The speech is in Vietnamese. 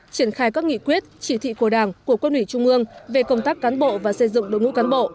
triển khai các nghị quyết chỉ thị của đảng của quân ủy trung ương về công tác cán bộ và xây dựng đội ngũ cán bộ